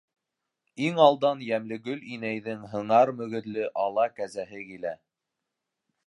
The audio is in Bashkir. Иң алдан Йәмлегөл инәйҙең һыңар мөгөҙлө ала кәзәһе килә.